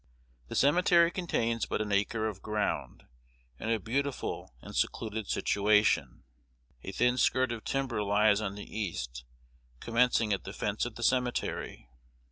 "The cemetery contains but an acre of ground, in a beautiful and secluded situation. A thin skirt of timber lies on the east, commencing at the fence of the cemetery.